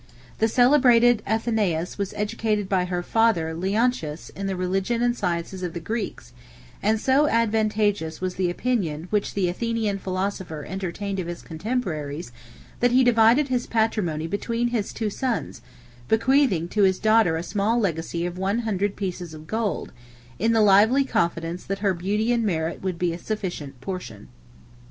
The celebrated Athenais 74 was educated by her father Leontius in the religion and sciences of the Greeks; and so advantageous was the opinion which the Athenian philosopher entertained of his contemporaries, that he divided his patrimony between his two sons, bequeathing to his daughter a small legacy of one hundred pieces of gold, in the lively confidence that her beauty and merit would be a sufficient portion.